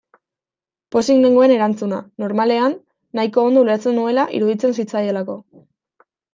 Pozik nengoen erantzuna, normalean, nahiko ondo ulertzen nuela iruditzen zitzaidalako.